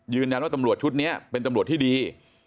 ตำรวจชุดนี้เป็นตำรวจที่ดี